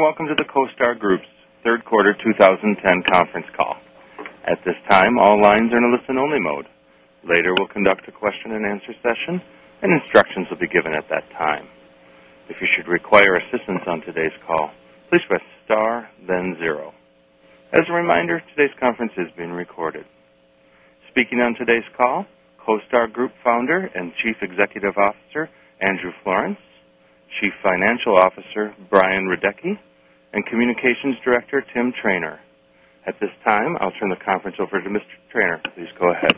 Welcome to the CoStar Group's Third Quarter 2010 Conference Call. At this time, all lines are in a listen only mode. Later, we will conduct a question and answer session and instructions will be given at that time. As a reminder, today's conference is being recorded. Speaking on today's call, CoStar Group Founder and Chief Executive Officer, Andrew Florence Chief Financial Officer, Brian Radecki and Communications Director, Tim Trainor. At this time, I'll turn the conference over to Mr. Trainor. Please go ahead.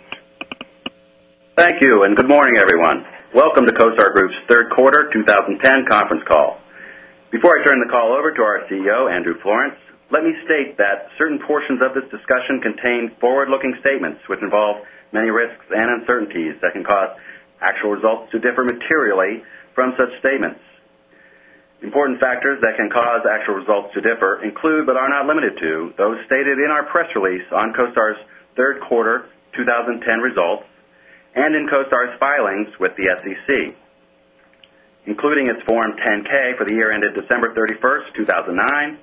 Thank you, and good morning, everyone. Welcome to CoStar Group's Q3 2010 conference call. Before I turn the call over to our CEO, Andrew Florence, let me state that certain portions of this discussion contain forward looking statements, which involve many risks and uncertainties that can cause actual results to differ materially from such statements. Important factors that can cause actual results to differ include, but are not limited to, those stated in our press release on CoStar's Q3 2010 results and in CoStar's filings with the SEC, including its Form 10 ks for the year ended December 31, 2009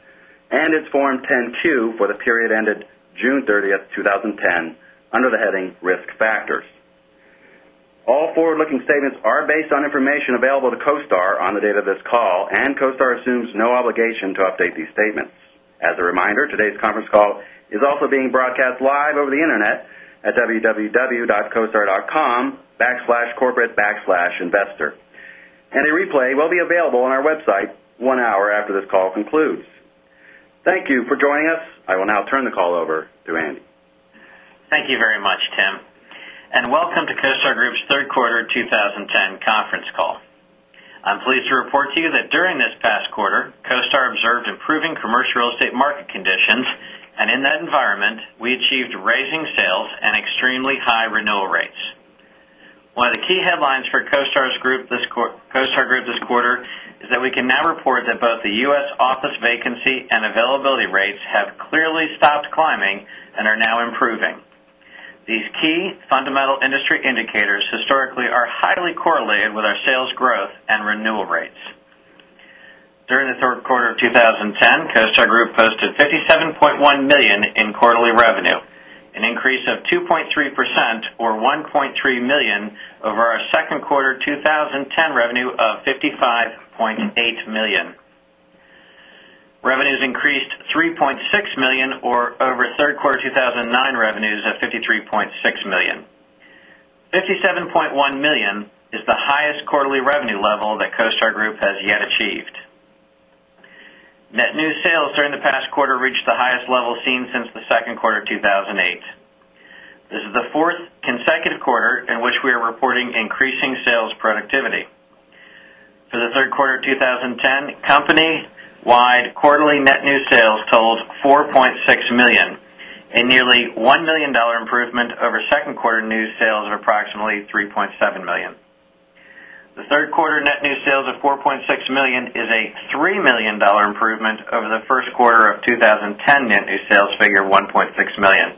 and its Form 10 Q for the period ended June 30, 2010, under the heading Risk Factors. All forward looking statements are based on information available to CoStar on the date of this call and CoStar assumes no obligation to update these statements. As a reminder, today's conference call is also being broadcast live over the Internet at www.coStar.com slash corporate slash investor. And a replay will be available on our website 1 hour after this call concludes. Thank you for joining us. I will now turn the call over to Andy. Thank you very much, Tim, and welcome to CoStar Group's Q3 2010 conference call. I'm pleased to report to you that during this past quarter CoStar observed improving commercial real estate market conditions and in that environment we achieved raising sales and extremely high renewal rates. 1 of the key headlines for CoStar Group this quarter is that we can now report that both the U. S. Office vacancy and availability rates have clearly stopped climbing and are now improving. These key fundamental industry indicators historically are highly correlated with our sales growth and renewal rates. During the Q3 of 2010, CoStar Group posted $57,100,000 in quarterly revenue, an increase of 2.3% or 1,300,000 dollars over our Q2 2010 revenue of $55,800,000 Revenues increased $3,600,000 or over Q3 2009 revenues of $53,600,000 57,100,000 dollars is the highest quarterly revenue level that CoStar Group has yet achieved. Net new sales during the past quarter reached the highest level seen since Q2 of 2008. This is the 4th consecutive quarter in which we are reporting increasing sales productivity. For the Q3 of 2010, company wide quarterly net new sales totaled 4,600,000 dollars a nearly $1,000,000 improvement over 2nd quarter new sales of approximately $3,700,000 The 3rd quarter net new sales of $4,600,000 is a $3,000,000 improvement over the Q1 of 2010 net new sales figure of 1,600,000 dollars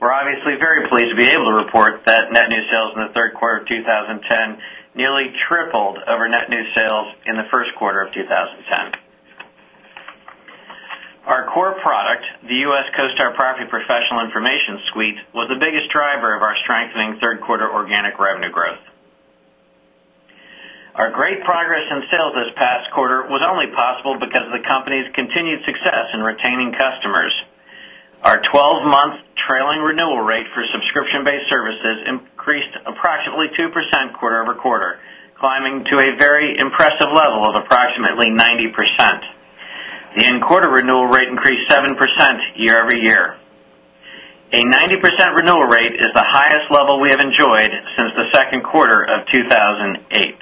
We're obviously very pleased to be able to report that net new sales in the Q3 of 2010 nearly tripled over net new sales in the Q1 of 2010. Our core product, the U. S. CoStar Property Professional Information Suite was the biggest driver of our strengthening 3rd quarter organic revenue growth. Our great progress in sales this past quarter was only possible because of the company's continued success in retaining customers. Our 12 month trailing renewal rate for subscription based services increased approximately 2% quarter over quarter, climbing to a very impressive level of approximately 90%. The end quarter renewal rate increased 7% year over year. A 90% renewal rate is the highest level we have enjoyed since the Q2 of 2,008.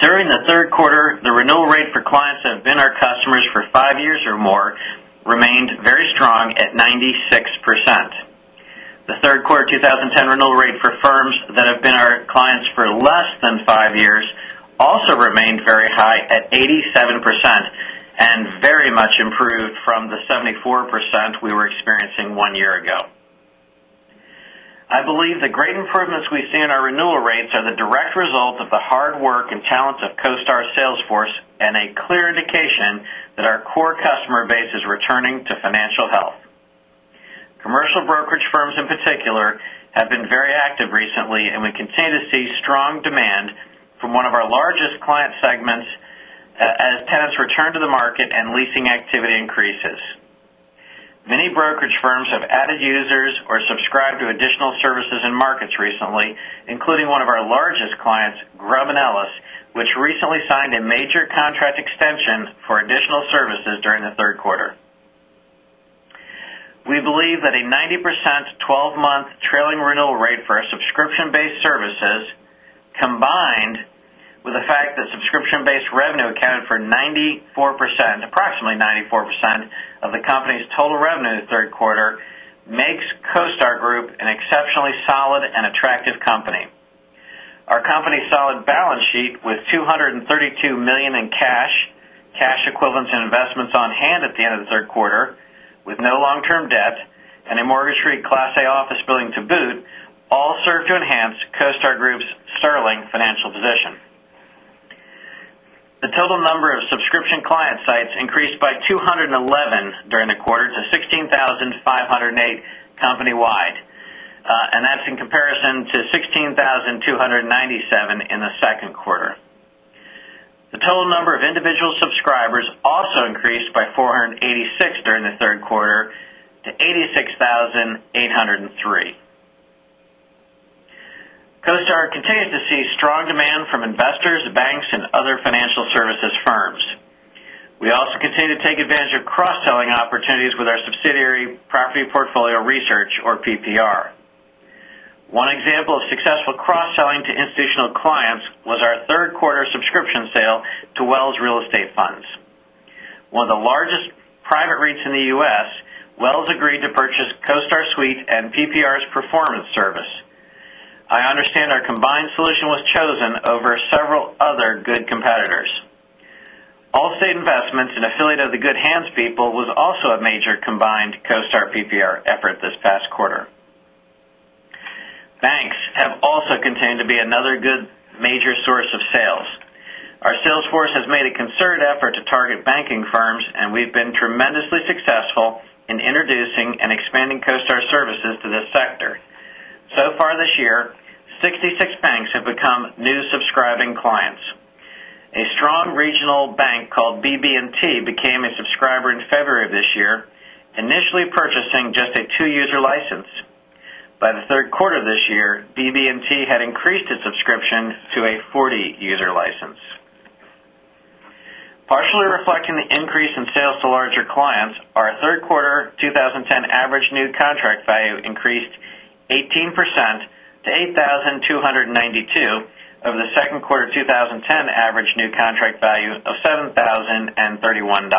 During the Q3, the renewal rate for clients that have been our customers for 5 years or more remained very strong at 96%. The Q3 2010 renewal rate for firms that have been our clients for less than 5 years also remained very high at 87% and very much improved from the 74% we were experiencing 1 year ago. I believe the great improvements we see in our renewal rates are the direct result of the hard work and talent of CoStar's sales force and a clear indication that our core customer base is returning to financial health. Commercial brokerage firms in particular have been very active recently and we continue to see strong demand from one of our largest client segments as tenants return to the market and leasing activity increases. Many brokerage firms have added users or subscribed to additional services and markets recently, including one of our largest clients Grub and Ellis, which recently signed a major contract extension for additional services during the Q3. We believe that a 90% 12 month trailing renewal rate for our subscription based services combined with the fact that subscription based revenue accounted for 94% approximately 94% of the company's total revenue in the 3rd quarter makes CoStar Group an exceptionally solid and attractive company. Our company's solid balance sheet with $232,000,000 in cash, cash equivalents and investments on hand at the end of the 3rd quarter with no long term debt and a mortgage REIT Class A office building to boot, all served to enhance CoStar Group's sterling financial position. The total number of subscription client sites increased by 211 during the quarter to 16,508 company wide, and that's in comparison to 16,297 in the 2nd quarter. The total number of individual subscribers also increased by 486 during the Q3 to 86,803. CoStar continues to see strong demand from investors, banks and other financial services firms. We also continue to take advantage of cross selling opportunities with our subsidiary Property Portfolio Research or PPR. One example of successful cross selling to institutional clients was our 3rd quarter subscription sale to Wells Real Estate Funds. 1 of the largest private REITs in the U. S, Wells agreed to purchase CoStar Suite and PPR's performance service. I understand our combined solution was chosen over several other good competitors. Allstate Investments, an affiliate of the Good Hands People was also a major combined CoStar PPR effort this past quarter. Banks have also continued to be another good major source of sales. Our sales force has made a concerted effort to target banking firms and we've been tremendously successful in introducing and expanding CoStar services to this sector. So far this year, 66 banks have become new subscribing clients. A strong regional bank called BB and T became a subscriber in February of this year, initially purchasing just a 2 user license. By the Q3 of this year, BB and T had increased its subscription to a 40 user license. Partially reflecting the increase in sales to larger clients, our Q3 2010 average new contract value increased 18% to $8,292 of the 2nd quarter 20 10 average new contract value of $7,031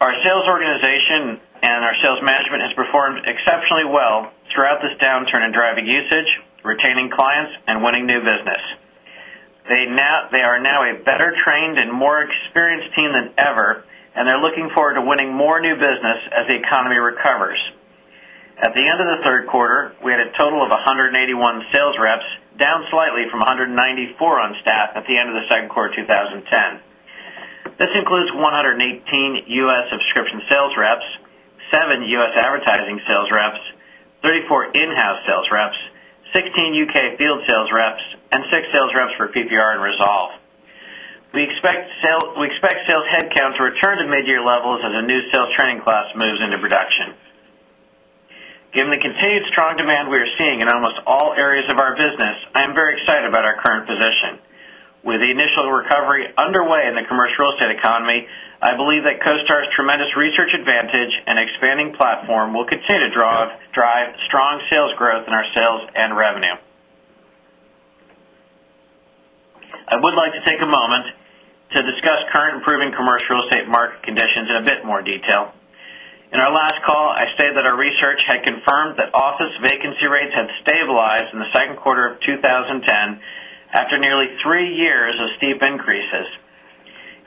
Our sales organization and our sales management has performed exceptionally well throughout this downturn in driving usage, retaining clients and winning new business. They are now a better trained and more experienced team than ever and they're looking forward to winning more new business as the economy recovers. At the end of the Q3, we had a total of 181 sales reps, down slightly from 194 on stat at the end of the Q2 2010. This includes 118 U. S. Subscription sales reps, 7 U. S. Advertising sales reps, 34 in house sales reps, 16 U. K. Field sales reps and 6 sales reps for PPR and Resolve. We expect sales headcount to return to mid year levels as a new sales training class moves into production. Given the continued strong demand we are seeing in almost all areas of our business, I am very excited about our current position. With the initial recovery underway in the commercial real estate economy, I believe that CoStar's tremendous research advantage and expanding platform will continue to drive strong sales growth in our sales and revenue. I would like to take a moment to discuss current improving commercial estate market conditions in a bit more detail. In our last call, I stated that our research had confirmed that office vacancy rates had stabilized in the Q2 of 2010 after nearly 3 years of steep increases.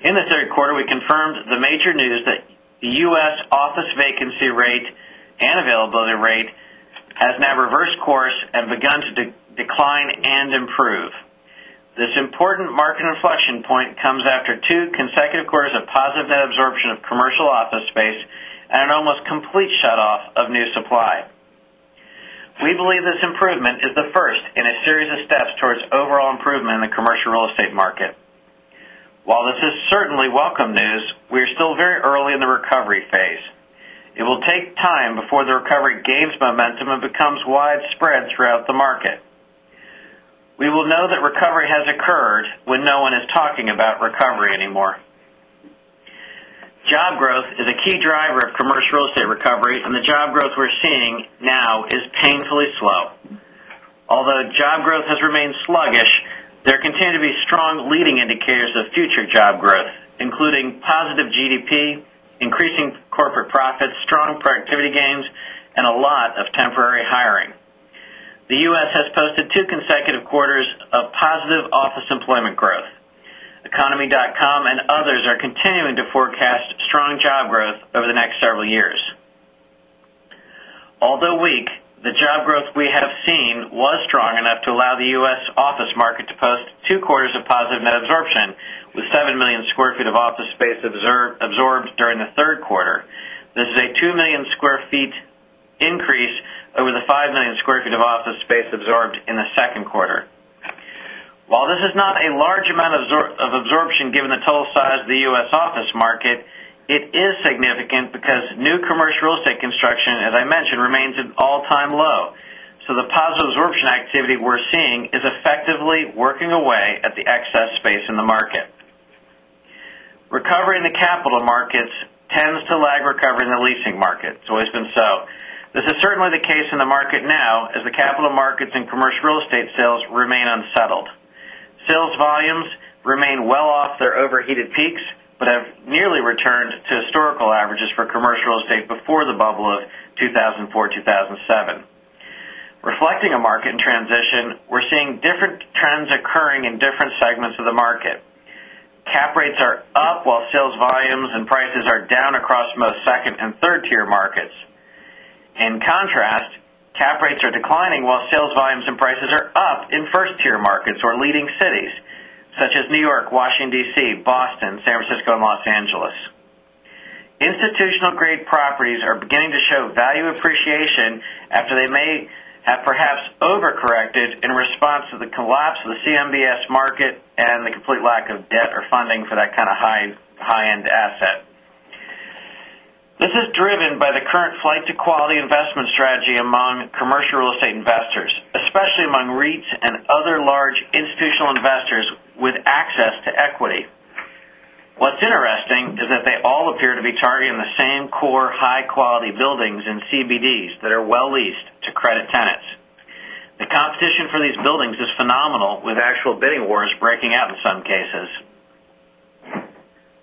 In the Q3, we confirmed the major news that U. S. Office vacancy rate and availability rate has now reversed course and begun to decline and improve. This important market inflection point comes after 2 consecutive quarters of positive net absorption of commercial office space and an almost complete shutoff of new supply. We believe this improvement is the first in a series of steps towards overall improvement in the commercial real estate market. While this is certainly welcome news, we are still very early in the recovery phase. It will take time before the recovery gains momentum and becomes widespread throughout the market. We will know that recovery has occurred when no one is talking about recovery anymore. Job growth is a key driver of commercial real estate recovery and the job growth we're seeing now is painfully slow. Although job growth has remained sluggish, there continue to be strong leading indicators of future job growth, including positive GDP, increasing corporate profits, strong productivity gains and a lot of temporary hiring. The U. S. Has posted 2 consecutive quarters of positive office employment growth. Economy.com and others are continuing to forecast strong job growth over the next several years. Although weak, the job growth we have seen was strong enough to allow the U. S. Office market to post 2 quarters of positive net absorption with 7,000,000 square feet of office space absorbed during the Q3. This is a 2,000,000 square feet increase over the 5,000,000 square feet of office space absorbed in the 2nd quarter. While this is not a large amount of absorption given the total size of the U. S. Office market, it is significant because new commercial real estate construction, as I mentioned, remains an all time low. So the positive absorption activity we're seeing is effectively working away at the excess space in the market. Recovery in the capital markets tends to lag recovery in the leasing market, it's always been so. This is certainly the case in the market now as the capital markets and commercial real estate sales remain unsettled. Sales volumes remain well off their overheated peaks, but have nearly returned to historical averages for commercial estate before the bubble of 2,004,000 and 7. Reflecting a market transition, we're seeing different trends occurring in different segments of the market. Cap rates are up, while sales volumes and prices are down across most second and third tier markets. In contrast, cap rates are declining while sales volumes and prices are up in 1st tier markets or leading cities such as New York, Washington DC, Boston, San Francisco and Los Angeles. Institutional grade properties are beginning to show value appreciation after they may have perhaps overcorrected in response to the collapse of CMBS market and the complete lack of debt or funding for that kind of high end asset. This is driven by the current flight to quality investment strategy among commercial real estate investors, especially among REITs and other large institutional investors with access to equity. What's interesting is that they all appear to be targeting the same core high quality buildings and CBDs that are well leased to credit tenants. The competition for these buildings is phenomenal with actual bidding wars breaking out in some cases.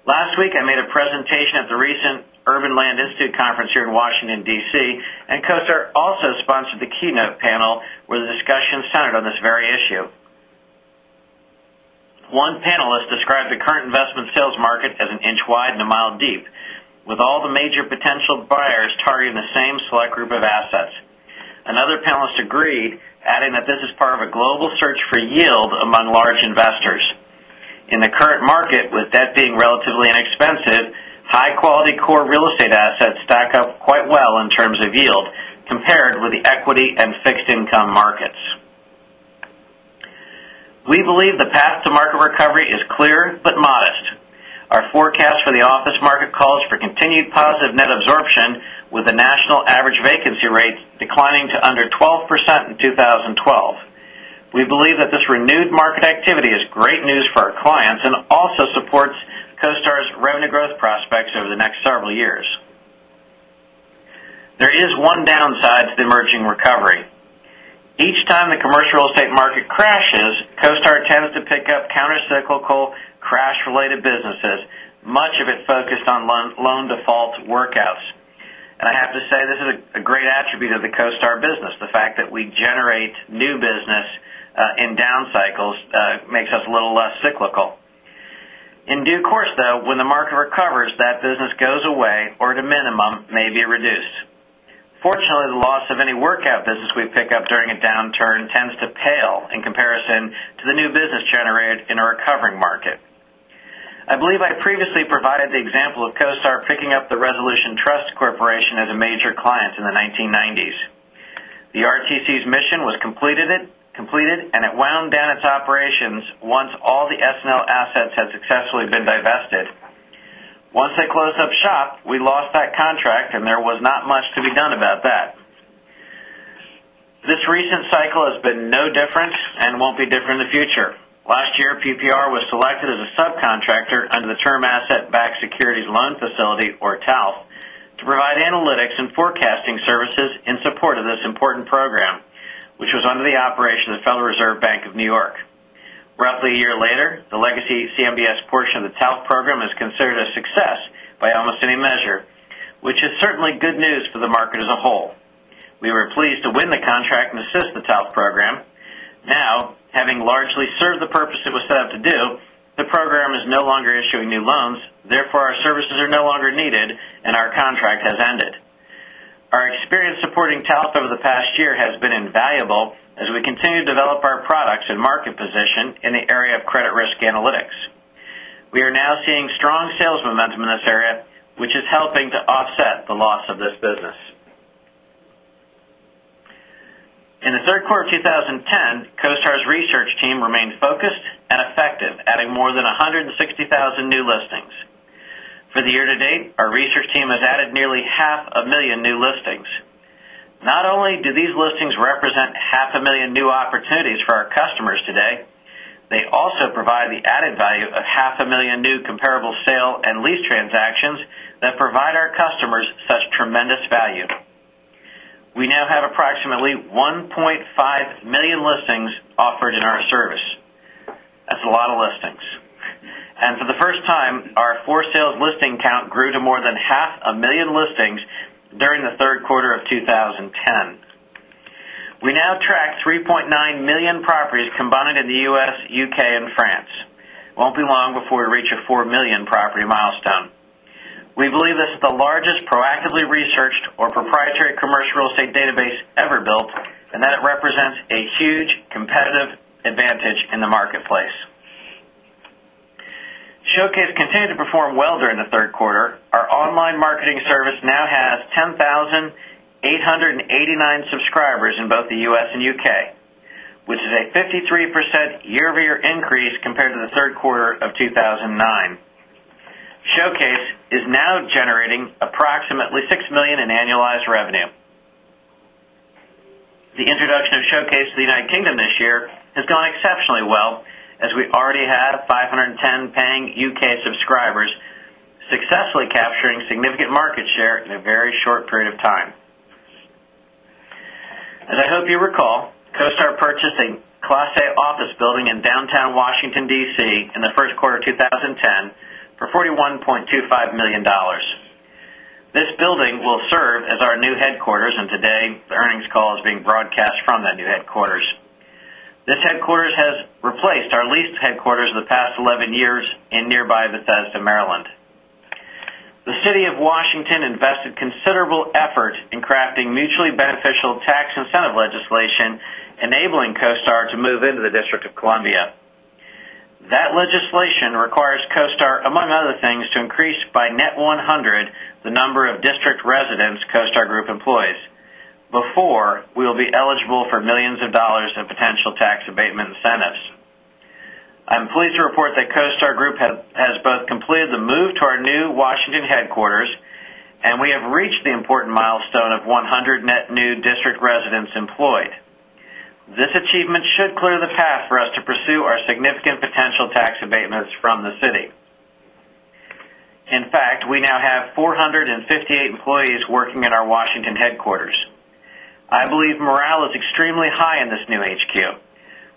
Last week, I made a presentation at the recent Urban Land Institute Conference here in Washington DC and CoStar also sponsored the keynote panel where the discussion centered on this very issue. 1 panelist described the current investment sales market as an inch wide and a mile deep with all the major potential buyers targeting the same select group of assets. Another panelist agreed, adding that this is part of a global search for yield among large investors. In the current market with debt being relatively inexpensive, high quality core real estate assets stack up quite well in terms of yield compared with the equity and fixed income markets. We believe the path to market recovery is clear but modest. Our forecast for the office market calls for continued positive net absorption with the national average vacancy rate declining to under 12% in 2012. We believe that this renewed market activity great news for our clients and also supports CoStar's revenue growth prospects over the next several years. There is one downside to the emerging recovery. Each time the commercial real estate market crashes, CoStar tends to pick up countercyclical crash related businesses, much of it focused on loan default workouts. And I have to say, this is a great attribute of the CoStar business, The fact that we generate new business in down cycles makes us a little less cyclical. In due course though, when the market recovers that business goes away or at a minimum maybe reduced. Fortunately, the loss of any workout business we pick up during a downturn to pale in comparison to the new business generated in a recovering market. I believe I previously provided the example of CoStar picking up the Resolution Trust Corporation as a major client in the 1990s. The RTC's mission was completed and it wound down its operations once all the SNL assets had successfully been divested. Once they closed up shop, we lost that contract and there was not much to be done about that. This recent cycle has been no different and won't be different in the future. Last year, PPR was selected as a subcontractor under the term asset backed securities loan facility or TALF to provide analytics and forecasting services in support of this important program, which was under the operation of the Federal Reserve Bank of New York. Roughly a year later, the legacy CMBS portion of the TALF program is considered a success by almost any measure, which is certainly good news for the market as a whole. We were pleased to win the contract and assist the TALF program. Now having largely served the purpose it was set up to do, the program is no longer issuing new loans. Therefore, our services are no longer needed and our contract has ended. Our experience supporting TALF over the past year has been invaluable as we continue to develop our products and market position in the area of credit risk analytics. We are now seeing strong sales momentum in this area, which is helping to offset the loss of this business. In the Q3 of 2010, CoStar's research team remained focused and effective adding more than 160,000 new listings. For the year to date, our research team has added nearly 500,000 new listings. Not only do these listings represent 500,000 new opportunities for our customers today, They also provide the added value of 500,000 new comparable sale and lease transactions that provide our customers such tremendous value. We now have approximately 1,500,000 listings offered in our service. That's a lot of listings. And for the first time, our for sales listing count grew to more than 500,000 listings during the Q3 of 2010. We now track 3,900,000 properties combined in the U. S, U. K. And France. It won't be long before we reach a 4,000,000 property milestone. We believe this is the largest proactively researched or proprietary commercial real estate database ever built and that it represents a huge competitive advantage in the marketplace. Showcase continued to perform well during the Q3. Our online marketing service now has 10,000 889 subscribers in both the U. S. And UK, which is a 53% year over year increase compared to the Q3 of 2,009. Showcase is now generating approximately $6,000,000 in annualized revenue. The introduction of Showcase to the United Kingdom this year has gone exceptionally well as we already had 510 paying UK subscribers successfully capturing significant market share in a very short period of time. As I hope you recall, CoStar Purchased a Class A office building in Downtown Washington DC in the Q1 of 2010 for $41,250,000 This building will serve as our new headquarters and today the earnings call is being broadcast from that new headquarters. This headquarters has replaced our leased headquarters in the past 11 years in nearby Bethesda, Maryland. The City of Washington invested considerable effort in crafting mutually beneficial tax incentive legislation enabling CoStar to move into the District of Columbia. That legislation requires CoStar among other things to increase by net 100 the number of district residents CoStar Group employees before we will be eligible for 1,000,000 of dollars of potential tax abatement incentives. I'm pleased to report that CoStar Group has both completed the move to our new Washington headquarters and we have reached the important milestone of 100 net new district residents employed. This achievement should clear the path for us to pursue our significant potential tax abatements from the city. In fact, we now have 4 58 employees working at our Washington headquarters. I believe morale is extremely high in this new HQ.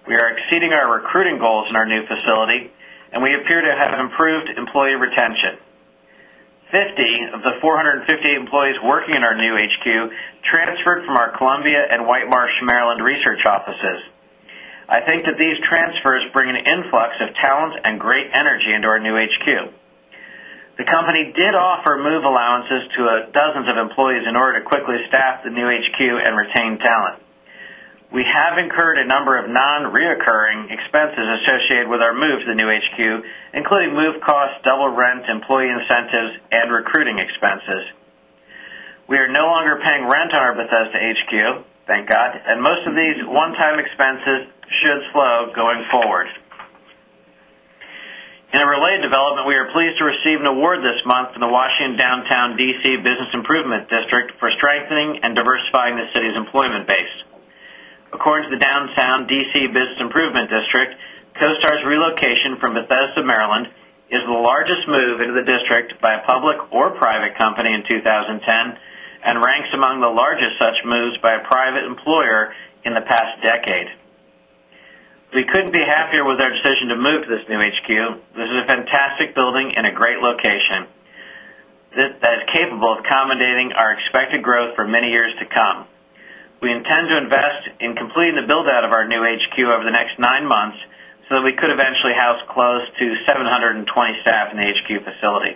We are exceeding our recruiting goals in our new facility and we appear to have improved employee retention. 50 of the 4.58 employees working in our new HQ transferred from our Columbia and White Marsh, Maryland Research Offices. I think that these transfers bring an influx of talent and great energy into our new HQ. The company did offer move allowances to dozens of employees in order to quickly staff the new HQ and retain talent. We have incurred a number of non reoccurring expenses associated with our move to the new HQ, including move costs, double rent, employee incentives and recruiting expenses. We are no longer paying rent on our Bethesda HQ, thank God, and most of these one time expenses should slow going forward. In a related development, we are pleased to receive an award this month in the Washington Downtown DC Business Improvement District for strengthening and diversifying the city's employment base. According to the Downtown DC Business Improvement District, CoStar's relocation from Bethesda, Maryland is the largest move into the district by a public or private company in 2010 and ranks among the largest such moves by a private employer in the past decade. We couldn't be happier with our decision to move to this new HQ. This is a fantastic building and a great location that is capable of accommodating our expected growth for many years to come. We intend to invest in completing the build out of our new HQ over the next 9 months, so that we could eventually house close to 7 20 staff in the HQ facility.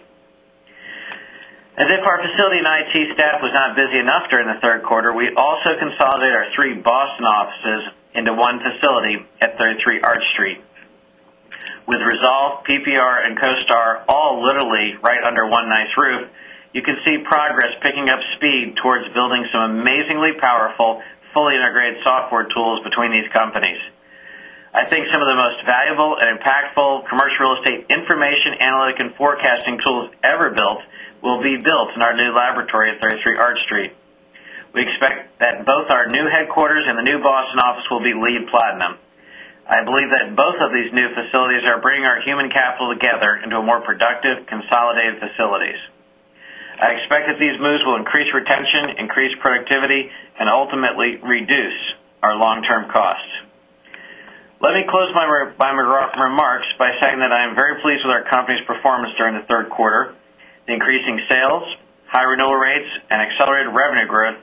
As if our facility and IT staff was not busy enough during the Q3, we also consolidated our 3 Boston offices into one facility at 33 Arch Street. With Resolve, PPR and CoStar all literally right under one nice roof, you can see progress picking up speed towards building some amazingly powerful fully integrated software tools between these companies. I think some of the most valuable and impactful commercial real estate information analytic and forecasting tools ever built will be built in our new laboratory at 33 Art Street. We expect that both our new headquarters and the new Boston office will be LEED Platinum. I believe that both of these new facilities are bringing our human capital together into a more productive consolidated facilities. I expect that these moves will increase retention, increase productivity and ultimately reduce our long term costs. Let me close my remarks by saying that I am very pleased with our company's performance during the Q3. Increasing sales, high renewal rates and accelerated revenue growth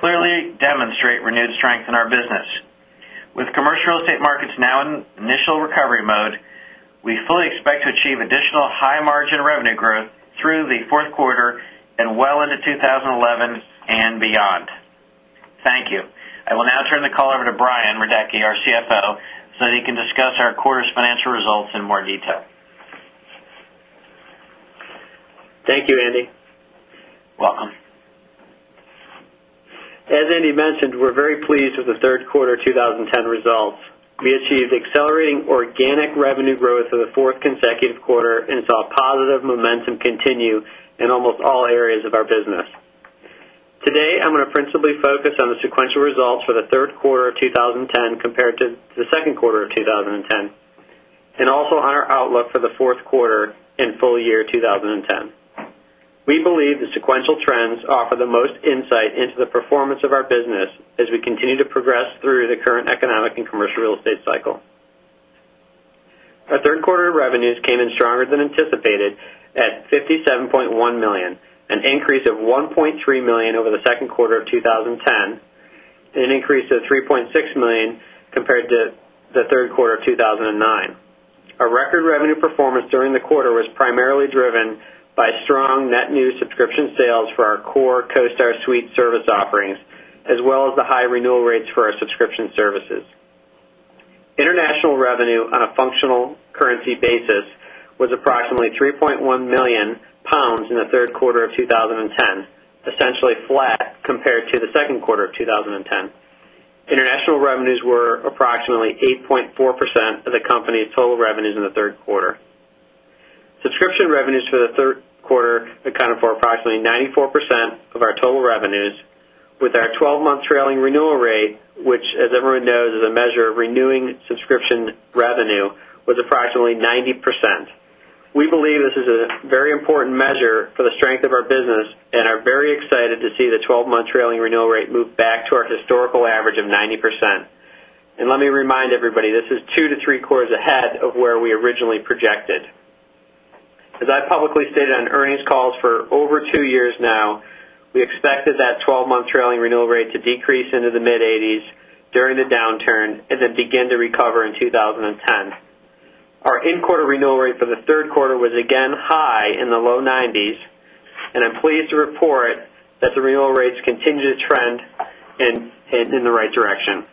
clearly demonstrate renewed strength in our business. With commercial real estate markets now in initial recovery mode, we fully expect to achieve additional high margin revenue growth through the Q4 and well into 2011 and beyond. Thank you. I will now turn the call over to Brian Radecki, our CFO, so that he can discuss our quarter's financial results in more detail. Thank you, Andy. Welcome. As Andy mentioned, we're very pleased with the Q3 2010 results. We achieved accelerating organic revenue growth for the 4th consecutive quarter and saw positive momentum continue in almost all areas of our business. Today, I'm going to principally focus on the sequential results for the Q3 of 2010 compared to the Q2 of 2010 and also on our outlook for the Q4 and full year 2010. We believe the sequential trends offer the most insight into the performance of our business as we continue to progress through the current economic and commercial real estate cycle. Our Q3 revenues came in stronger than anticipated at $57,100,000 an increase of $1,300,000 over the Q2 of 20 10, an increase of $3,600,000 compared to the Q3 of 2,009. Our record revenue performance during the quarter was primarily driven by strong net new subscription sales for our core CoStar Suite service offerings as well as the high renewal rates for our subscription services. International revenue on a functional currency basis was approximately £3,100,000 in the Q3 of 2010, essentially flat compared to the Q2 of 2010. International revenues were approximately 8.4% of the company's total revenues in the 3rd quarter. Subscription revenues for the Q3 accounted for approximately 94% of our total revenues with our 12 month trailing renewal rate, which as everyone knows is a measure of renewing subscription revenue was approximately 90%. We believe this is a very important measure for let me remind everybody, this is 2 to 3 quarters ahead of where we originally projected. As I publicly stated on earnings calls for over 2 years now, we expected that 12 month trailing renewal rate to decrease into the mid-80s during the downturn and then begin to recover in 2010. Our in quarter renewal rate for the 3rd quarter was again high in the low 90s and I'm pleased to report that the renewal rates continue to trend in the right direction.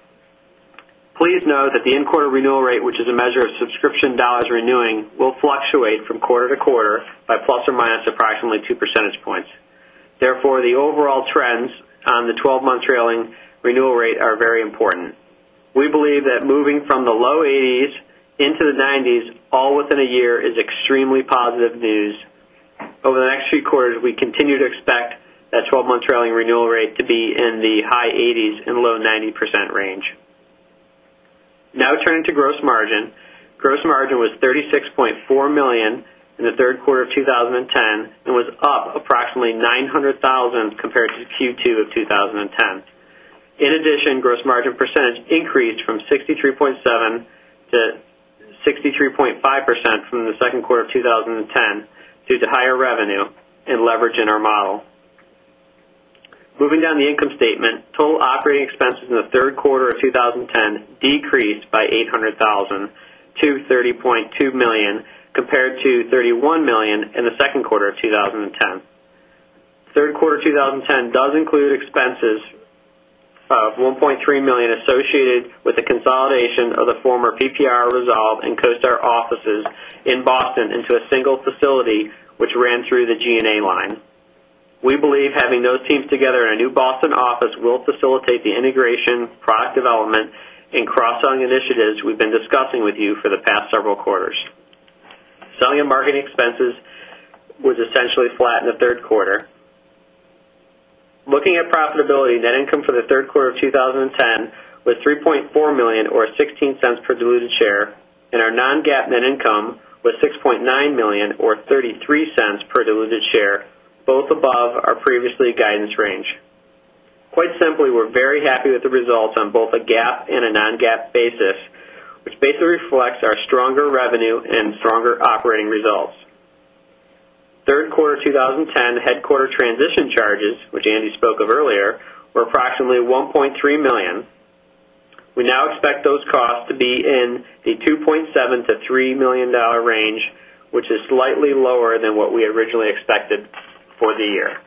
Please note that the in quarter renewal rate, which is a measure of subscription dollars renewing will fluctuate from quarter to quarter by plus or minus approximately 2 percentage points. Therefore, the overall trends on the 12 month trailing renewal rate are very important. We believe that moving from the low 80s into the 90s all within a year is extremely positive news. Over the next few quarters, we continue to expect that 12 month trailing renewal rate to be in the high 80s and low 90% range. Now turning to gross margin. Gross margin was $36,400,000 in the Q3 of 2010 and was up approximately $900,000 compared to Q2 of 2010. In addition, gross margin percentage increased from 63.7 percent to 63.5 percent from the Q2 of 2010 due to higher revenue and leverage in our model. Moving down the income statement, total operating expenses in the Q3 of 2010 decreased by $800,000 to $30,200,000 compared to $31,000,000 in the Q2 of 2010. Q3 2010 does include expenses of $1,300,000 associated with the consolidation of the former PPR resolve and CoStar offices in Boston into a single facility, which ran through the G and A line. We believe having those teams together in a new Boston office will facilitate the integration, product development and cross selling initiatives we've been discussing with you for the past several quarters. Selling and marketing expenses was essentially flat in the Q3. Looking at profitability, net income for the Q3 of 2010 was $3,400,000 or $0.16 per diluted share and our non GAAP net income was $6,900,000 or $0.33 per diluted share, both above our previously guidance range. Quite simply, we're very happy with the results on both a GAAP and a non GAAP basis, which basically reflects our stronger revenue and stronger operating results. 3rd quarter 2010 headquarter transition charges, which Andy spoke of earlier, were approximately $1,300,000 We now expect those costs to be in the $2,700,000 to $3,000,000 range, which is slightly lower than what we originally expected for the year.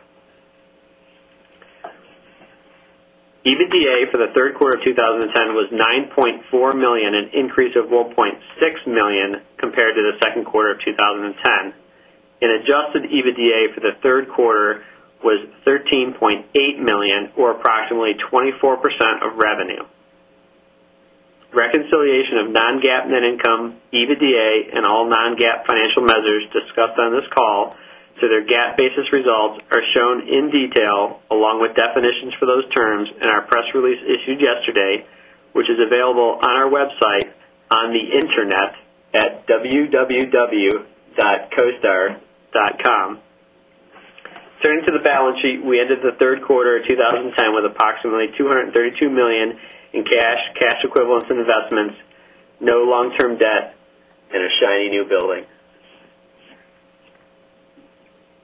EBITDA for the Q3 of 2010 was $9,400,000 an increase of $1,600,000 compared to the Q2 of 2010 and adjusted EBITDA for the Q3 was $13,800,000 or approximately 24% of revenue. Reconciliation of non GAAP net income, EBITDA and all non GAAP financial measures discussed on this call so their GAAP basis results are shown in detail along with definitions for those terms in our press release issued yesterday, which is available on our website on the Internet at www.coastar.com. Turning to the balance sheet, we ended the Q3 of 2010 with approximately $232,000,000 in cash, cash equivalents and investments, no long term debt and a shiny new building.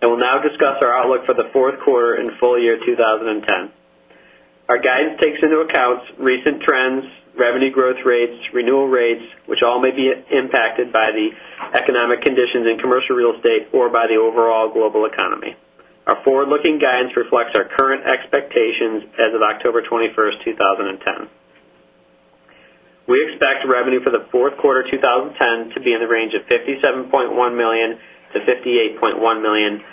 I will now discuss our outlook the Q4 and full year 2010. Our guidance takes into account recent trends, revenue growth rates, renewal rates, which all may be impacted by the economic conditions in commercial real estate or by the overall global economy. Our forward looking guidance reflects our current expectations as of October 21, 2010. We expect revenue for the Q4 2010 to be in the range of $57,100,000 to $58,100,000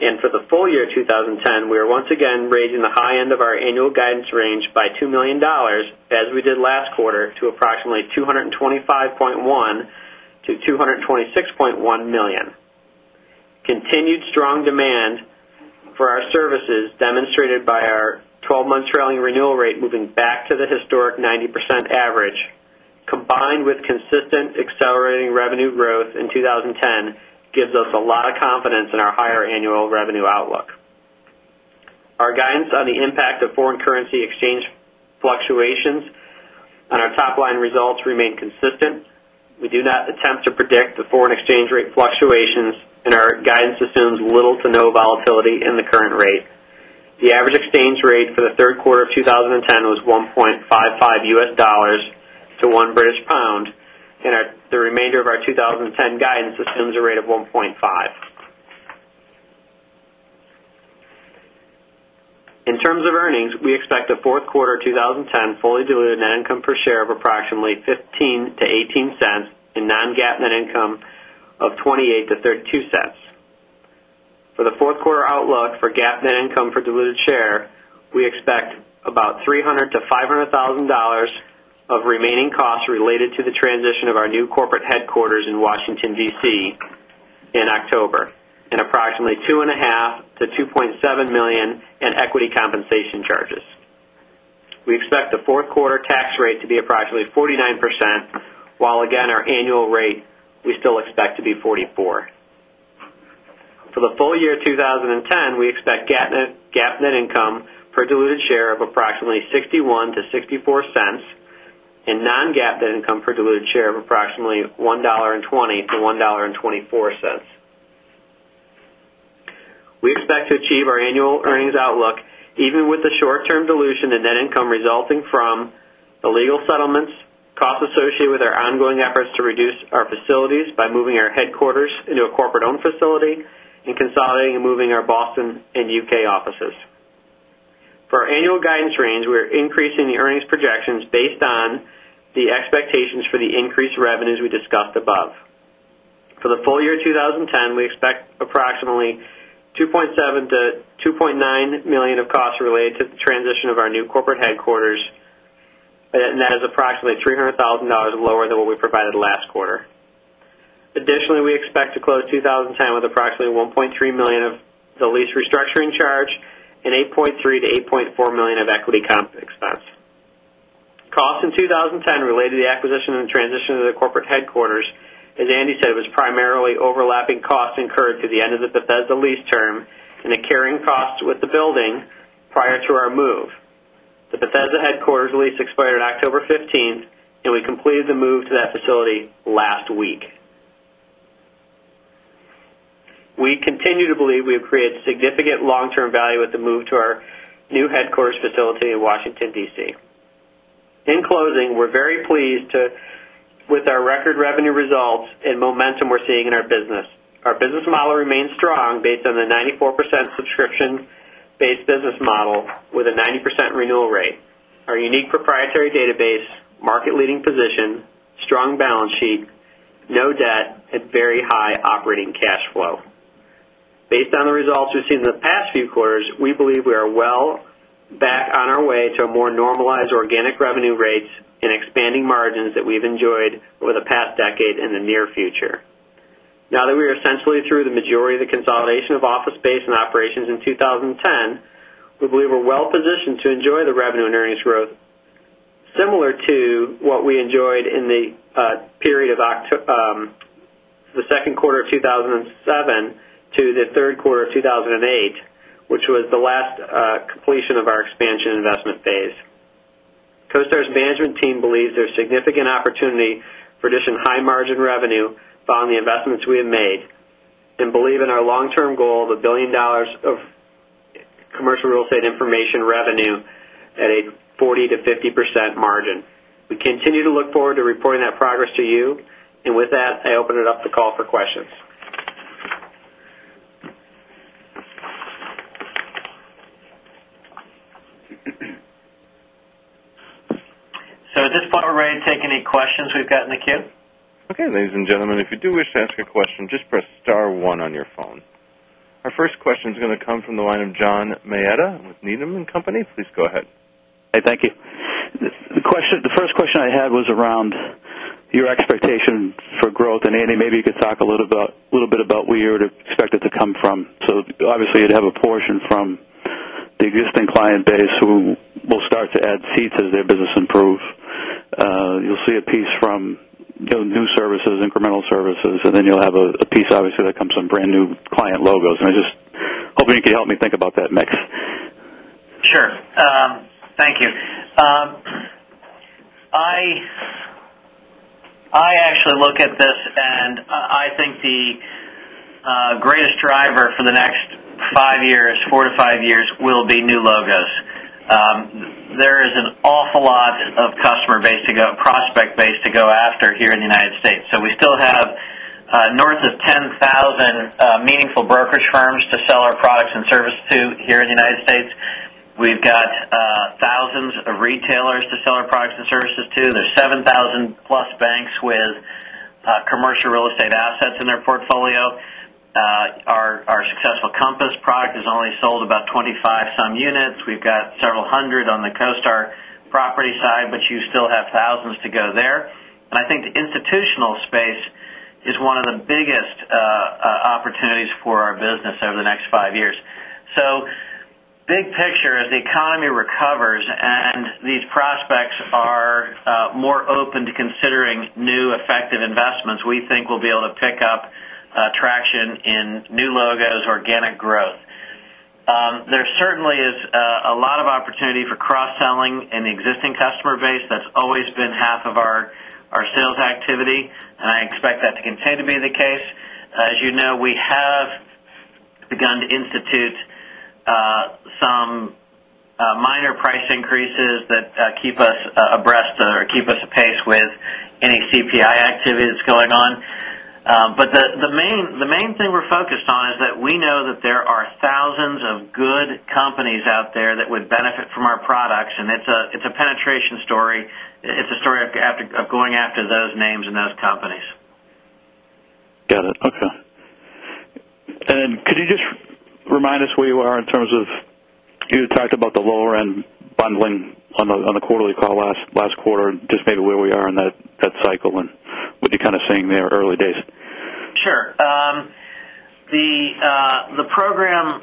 And for the full year 2010, we are once again raising the high end of our annual guidance range by $2,000,000 as we did last quarter to approximately $225,100,000 to $226,100,000 Continued strong demand for our services demonstrated by our 12 month trailing renewal rate moving back to the historic 90% average combined with consistent accelerating revenue growth in 2010 gives us a lot of confidence in our higher annual revenue outlook. Our guidance on the impact of foreign currency exchange fluctuations and our top line results remain consistent. We do not attempt to predict the foreign exchange rate fluctuations and our guidance assumes little to no volatility in the current rate. The average exchange rate for the Q3 of 2010 was US1.55 dollars to 1 British pound and the remainder of our 20 10 guidance assumes a rate of 1.5. In terms of earnings, we expect the 4th quarter 20 10 fully diluted net income per share of approximately $0.15 to $0.18 and non GAAP net income of $0.28 to $0.32 For the Q4 outlook for GAAP net income per diluted share, we expect about $300,000 to $500,000 of remaining costs related to the transition of our new corporate headquarters in Washington DC in October and approximately $2,500,000 to $2,700,000 in equity compensation charges. We expect the 4th quarter tax rate to be approximately 49%, while again our annual rate we still expect to be 44%. For the full year 2010, we expect GAAP net income per diluted share of approximately $0.61 to $0.64 and non GAAP net income per diluted share of approximately $1.20 to $1.24 We expect to achieve our annual earnings outlook even with the short term dilution in net income resulting from the legal settlements, costs associated with our ongoing efforts to reduce our facilities by moving our headquarters into a corporate owned facility and consolidating and moving our Boston and UK offices. For our annual guidance range, we are increasing the earnings projections based on the expectations for the increased revenues we discussed above. For the full year 2010, we expect approximately $2,700,000 to $2,900,000 of costs related to the transition of our new corporate headquarters and that is approximately $300,000 lower than what we provided last quarter. Additionally, we expect to close 2010 with approximately $1,300,000 of the lease restructuring charge and $8,300,000 to $8,400,000 of equity comp expense. Costs in 20 related to the acquisition and transition of the corporate headquarters, as Andy said, was primarily overlapping costs incurred through the end of the Bethesda lease term and the carrying cost with the building prior to our move. The Bethesda headquarters lease expired on October 15 and we completed the move to that facility last week. We continue to believe we have created significant long term value with the move to our new headquarters facility in Washington, D. C. In closing, we're very pleased with our record revenue results and momentum we're seeing in our business. Our business model remains strong based on the 94% subscription based business model with a 90% renewal rate, our unique proprietary database, market leading position, strong balance sheet, no debt and very high operating cash flow. Based on the results we've seen in the past few quarters, we believe we are well back on our way to a more normalized organic revenue rates and expanding margins that we've enjoyed over the past decade in the near future. Now that we are essentially through the majority of the consolidation of office space and operations in 2010, we believe we're well positioned to enjoy the revenue and earnings growth similar to what we enjoyed in the period of the Q2 of 2007 to the Q3 of 2008, which was the last completion of our expansion investment phase. CoStar's management team believes there is significant opportunity for addition high margin revenue found in the investments we have made and believe in our long term goal of $1,000,000,000 of commercial real estate information revenue at a 40% to 50% margin. We continue to look forward to reporting that progress to you. And with that, I open it up the call for questions. Our first question is going to come from the line of John Maeda with Needham and Company. Please go ahead. Hi, thank you. The first question I had was around your expectation for growth. And Andy, maybe you could talk a little bit about where you would expect it to come from. So obviously, you'd have a portion from the existing client base who will start to add seats as their business improves. You'll see a piece from new services, incremental services and then you'll have a piece obviously that comes from brand new client logos. And I'm just hoping you could help me think about that mix. Sure. Thank you. I actually look at this and I think the greatest driver for the next 5 years, 4 to 5 years will be new logos. There is an awful lot of customer base to go, prospect base to go after here in the United States. So we still have north of 10 1,000 meaningful brokerage firms to sell our products and service to here in the United States. We've got thousands of retailers to sell our products and services to. There's 7,000 plus banks with commercial real estate assets in their portfolio. Our successful Compass product has only sold about 25 some units. We've got several 100 on the CoStar property side, but you still have thousands to go there. And I think the institutional space is one of the biggest opportunities for our business over the next 5 years. So big picture, as the economy recovers and these prospects are more open to considering new effective investments, we think we'll be able to pick up traction in new logos organic growth. There certainly is a lot of opportunity for cross selling in the existing customer base. That's always been half of our sales activity. And I expect that to continue to be the case. As you know, we have begun to institute some minor price increases that keep us abreast or keep us apace with any CPI activities going on. But the main thing we're focused on is that we know that there are thousands of good companies out there that would benefit from our products and it's a penetration story. It's a story of going after those names in those companies. Got it. Okay. And then could you just remind us where you are in terms of you had talked about the lower end bundling on the quarterly call last quarter, just maybe where we are in that cycle and what you're kind of seeing there early days? Sure. The program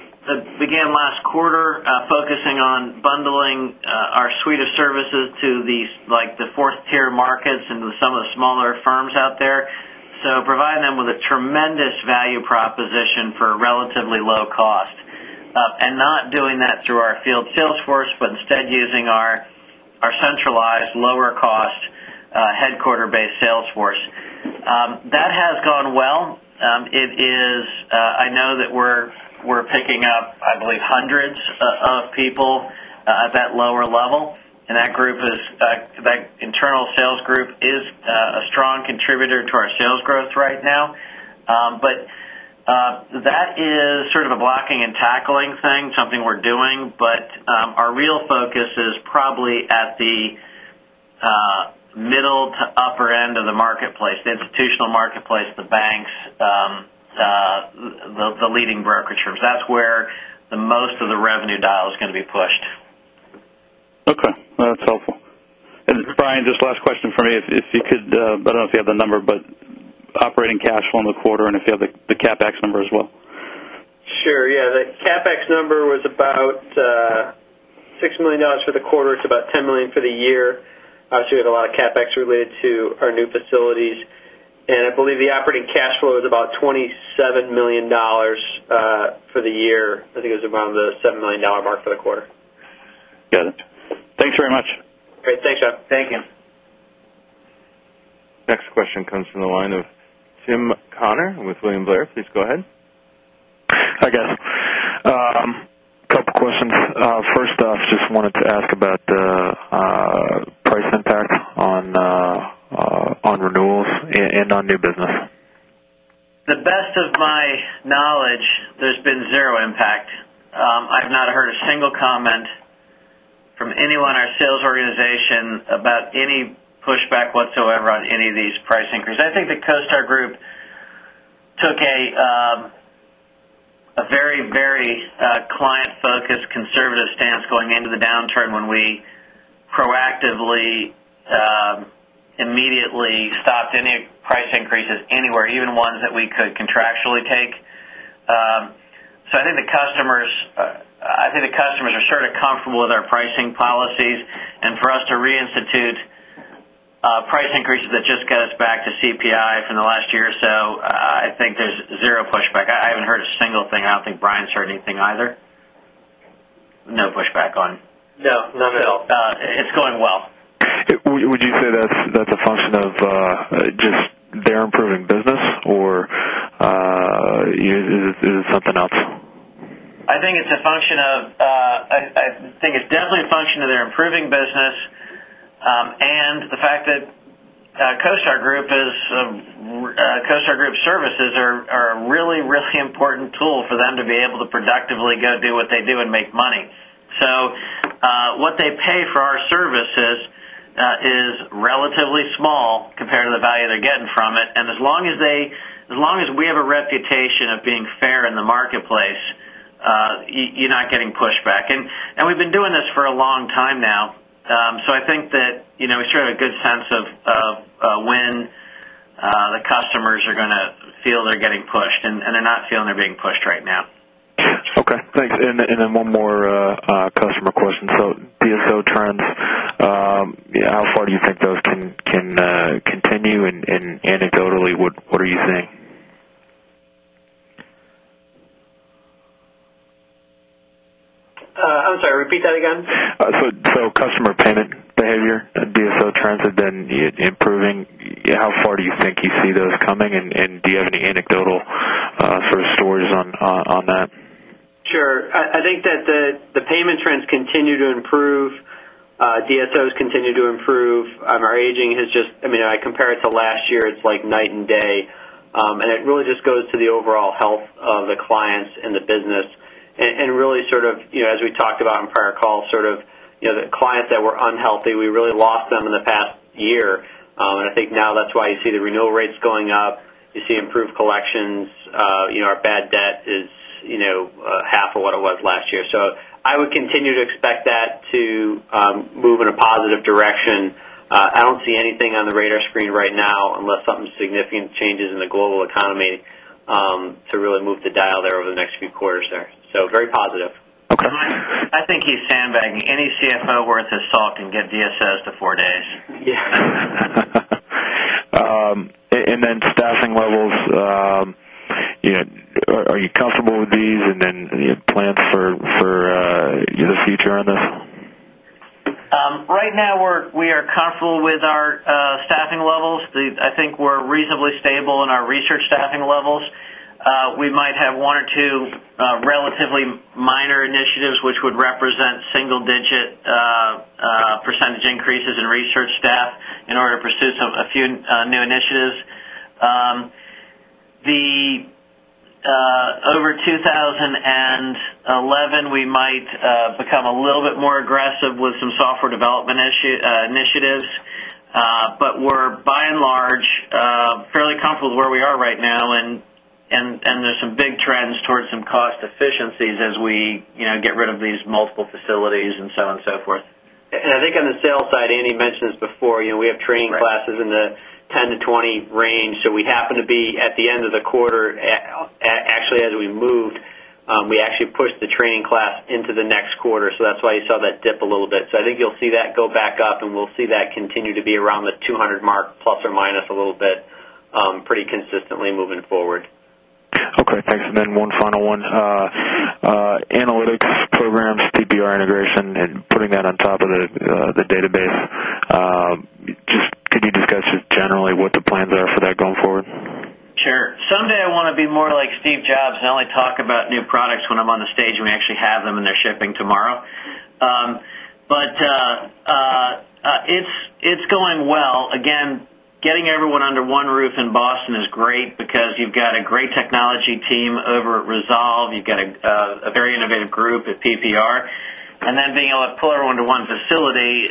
began last quarter focusing on bundling our suite of services to these like the 4th tier markets into some of the smaller firms out there. So provide them with a tremendous value proposition for relatively low cost and not doing that through our field sales force, but instead using our centralized lower cost headquarter based sales force. That has gone well. It is I know that we're picking up, I believe, hundreds of people at that lower level and that group is that internal sales group is a strong contributor to our sales growth right now. But that is sort of a blocking and tackling thing, something we're doing. But our real focus is probably at the middle to upper end of the marketplace, the institutional marketplace, the banks, the leading brokerage firms. That's where the most of the revenue dial is going to be pushed. Okay. That's helpful. And Brian, just last question for me, if you could I don't know if you have the number, but operating cash flow in the quarter and if you have the CapEx number as well. Sure. Yes, the CapEx number was about $6,000,000 for the quarter. It's about $10,000,000 for the year. Obviously, we have a lot of CapEx related to our new facilities. And I believe the operating cash flow is about 20 $7,000,000 for the year. I think it was around the $7,000,000 mark for the quarter. Got it. Thanks very much. Okay. Thanks, John. Thank you. Next question comes from the line of Tim Connor with William Blair. Please go ahead. Hi, guys. Couple of questions. First off, just wanted to ask about the price impact on renewals and on new business. The best of my knowledge, there's been zero impact. I've not heard a single comment from anyone in our sales organization about any pushback whatsoever on any of these price increases. I think the CoStar Group took a very, very client focused conservative stance going into the downturn when we proactively immediately stopped any price increases anywhere even ones that we could contractually take. So I think the customers are sort of comfortable with our pricing policies and for us to reinstitute price increases that just get us back to CPI from the last year or so, I think there's 0 pushback. I haven't heard a single thing. I don't think Brian has heard anything either. No pushback on. No, no. It's going well. Would you say that's a function of just their improving business or is it something else? I think it's a function of I think it's definitely a function of their improving business and the fact that CoStar Group is CoStar Group services are really, really important tool for them to be able to productively go do what they do and make money. So, what they pay for our services is relatively small compared to the value they're getting from it. And as long as they as long as we have a reputation of being fair in the marketplace, you're not getting pushed back. And we've been doing this for a long time now. So I think that we certainly have a good sense of when the customers are going to feel they're getting pushed and they're not feeling they're being pushed right now. Okay. Thanks. And then one more customer question. So DSO trends, how far do you think those can continue? And anecdotally, what are you seeing? I'm sorry, repeat that again. So customer payment behavior, DSO trends have been improving. How far do you think you see those coming? And do you have any anecdotal sort of stores on that? Sure. I think that the payment trends continue to improve. DSOs continue to improve. Our aging has just I mean, I compare it to last year, it's like night and day. And it really just goes to the overall health of the clients in the business. And really sort of, as we talked about in prior calls, sort of the clients that were unhealthy, we really lost them in the past year. And I think now that's why you see the renewal rates going up, you see improved collections, our bad debt is half of what it was last year. So I would continue to expect that to move in a positive direction. I don't see anything on the radar screen right now unless some significant changes in the global economy to really move the dial there over the next few quarters there. So very positive. Okay. I think he's sandbagging. Any CFO worth his salt can get DSOs to 4 days. Yes. And then staffing levels, are you comfortable with these and then plans for the future on this? Right now, we are comfortable with our staffing levels. I think we're reasonably stable in our research staffing levels. We might have 1 or 2 relatively minor initiatives, which would represent single digit percentage increases in research staff in order to pursue a few new initiatives. Over 2011, we might become a little bit more aggressive with some software development initiatives. But we're by and large fairly comfortable with where we are right now and there's some big trends towards some cost efficiencies as we get rid of these multiple facilities and so on and so forth. And I think on the sales side, Andy mentioned this before, we have training classes in the 10% to 20% range. So we happen to be at the end of the quarter, actually as we moved, we actually pushed the training class into the next quarter. So that's why you saw that dip a little bit. So I think you'll see that go back up and we'll see that continue to be around the 200 mark plus or minus a little bit pretty consistently moving forward. Okay. Thanks. And then one final one, analytics programs, TBR integration and putting that on top of the database. Just could you discuss just generally what the plans are for that going forward? Sure. Someday, I want to be more like Steve Jobs and only talk about new products when I'm on the stage and we actually have them and they're shipping tomorrow. But it's going well. Again, getting everyone under one roof in Boston is great because you've got a great technology team over at Resolve. You've got a very innovative group at PPR. And then being able to pull our 1 to 1 facility,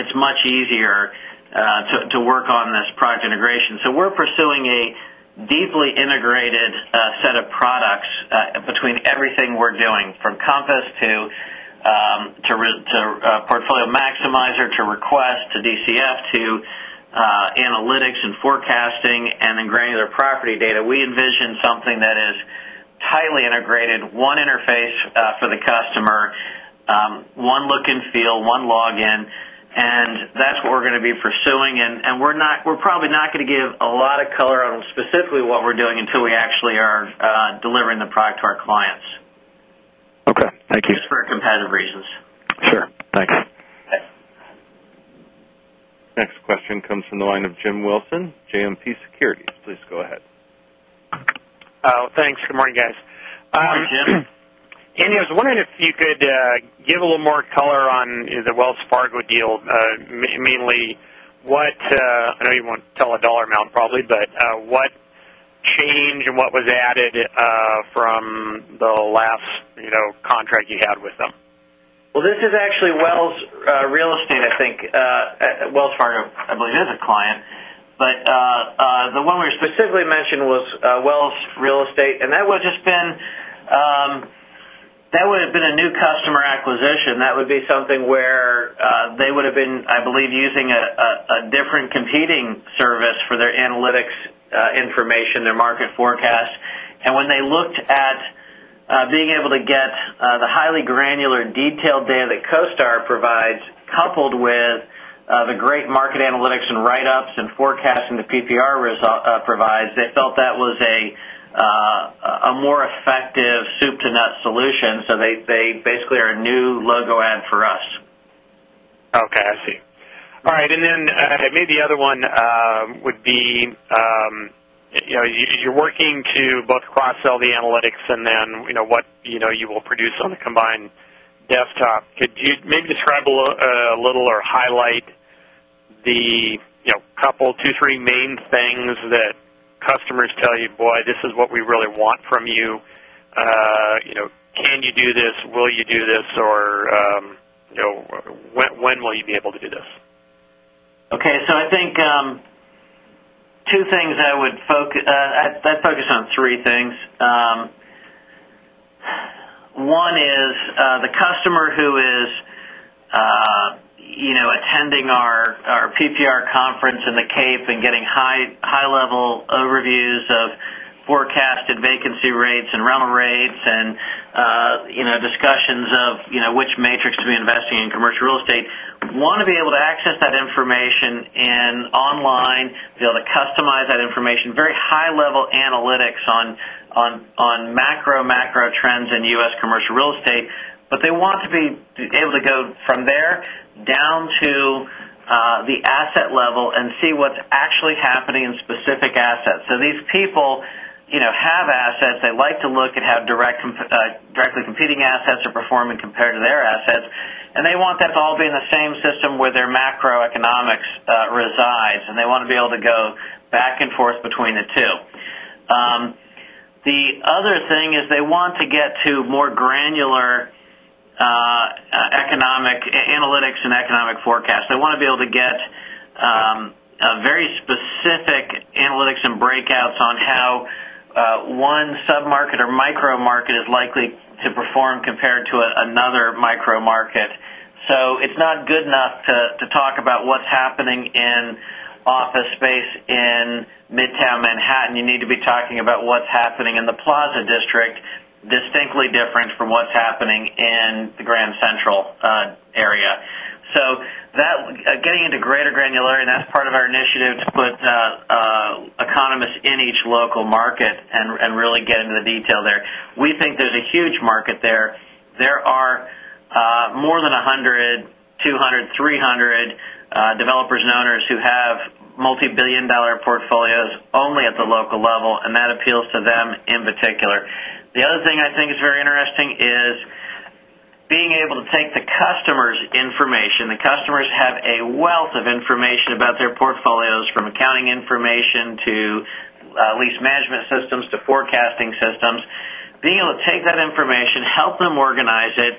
it's much easier to work on this product integration. So we're pursuing a deeply integrated set of products between everything we're doing from Compass to Portfolio Maximizer to Request to DCF to analytics and forecasting and then granular property data. We envision something that is highly integrated, one interface for the customer, one look and feel, one login and that's what we're going to be pursuing and we're not we're probably not going to give a lot of color on specifically what we're doing until we actually are delivering the product to our clients. Okay. Thank you. Just for competitive reasons. Sure. Thanks. Next question comes from the line of Jim Wilson, JMP Securities. Please go ahead. Thanks. Good morning, guys. Hi, Jim. Andy, I was wondering if you could give a little more color on the Wells Fargo deal, mainly what I know you won't tell a dollar amount probably, but what changed and what was added from the last contract you had with them? Well, this is actually Wells Real Estate, I think Wells Fargo, I believe is a client. But the one we specifically mentioned was Wells Real Estate and that was just been that would have been a new customer acquisition. That would be something where they would have been, I believe, using a different competing service for their analytics information, their market forecast. And when they looked at being able to get the highly granular detailed data that CoStar provides coupled with the great market analytics and write ups and forecasting the PPR provides, they felt that was a more effective soup to nuts solution. So they basically are a new logo add for us. Okay, I see. All right. And then maybe the other one would be, you're one would be, you're working to both cross sell the analytics and then what you will produce on the combined desktop. Could you maybe describe a little or highlight the couple, 2, 3 main things that customers tell you, boy, this is what we really want from you. Can you do this? Will you do this? Or when will you be able to do this? Okay. So I think 2 things I would focus on 3 things. One is the customer who is attending our PPR conference in the Cape and getting high level overviews of forecasted vacancy rates and rental rates and discussions of which matrix to be investing in commercial real estate. Want to be able to access that information and online be able to customize that information, very high level analytics on macro, macro trends in U. S. Commercial real estate, but they want to be able to go from there down to the asset level and see what's actually happening in specific assets. So these people have assets, they like to look at how directly competing assets are performing compared to their assets. And they want that to all be in the same system where their macroeconomics resides and they want to be able to go back and forth between the 2. The other thing is they want to get to more granular analytics and economic forecast. They want to be able to get very specific analytics and breakouts on how one submarket or micro market is likely to perform compared to another micro market. So it's not good enough to talk about what's happening in office space in Midtown Manhattan. You need to be talking about what's happening in the Plaza District distinctly different from what's happening in the Grand Central area. So that getting into greater granularity and that's part of our initiative to put economists in each local market and really get into the detail there. We think there's a huge market there. There are more than 100, 200, 300 developers and owners who have multibillion dollar portfolios only at the local level and that appeals to them in particular. The other thing I think is very interesting is being able to take the customers' information. The customers have a wealth of information about their portfolios from accounting information to lease management systems to forecasting systems. Being able to take that information, help them organize it,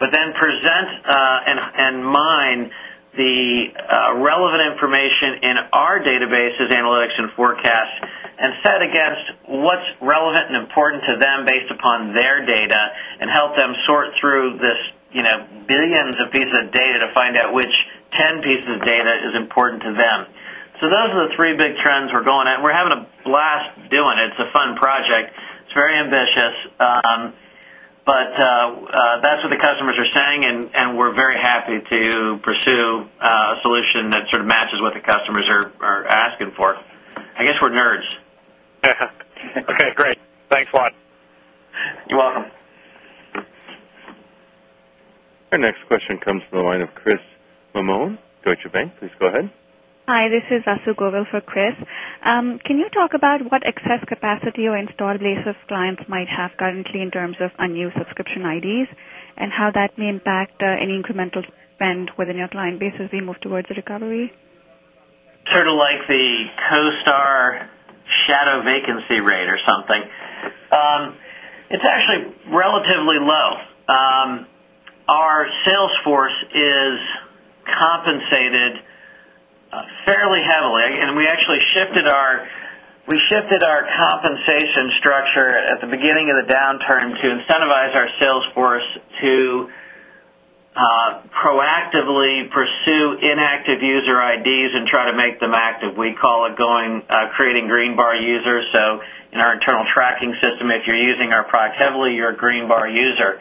but then present and mine the relevant information in our databases analytics and forecast and set against what's relevant and important to them based upon their data and help them sort through this billions of pieces of data to find out which 10 pieces of data is important to them. So those are the 3 big trends we're going at. We're having a blast doing it. It's a fun project. It's very ambitious, but that's what the customers are saying and we're very happy to pursue a solution that sort of matches what the customers are asking for. I guess we're nerds. Okay, great. Thanks a lot. You're welcome. Our next question comes from the line of Chris Limon, Deutsche Bank. This is Asu Gogol for Chris. Can you talk about what excess capacity or installed base of clients might have currently in terms of unused subscription IDs and how that may impact any incremental spend within your client base as we move towards a recovery? Sort of like the CoStar shadow vacancy rate or something. It's actually relatively low. Our sales force is compensated fairly heavily and we actually shifted our compensation structure at the beginning of the downturn to incentivize our sales force to proactively pursue inactive user IDs and try to make them active. We call it going creating green bar users. So, in our internal tracking system, if you're using our products heavily, you're a green bar user.